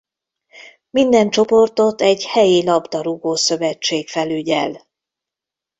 Minden csoportot egy helyi labdarúgó-szövetség felügyel.